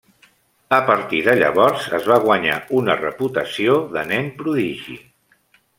A partir de llavors es va guanyar una reputació de nen prodigi.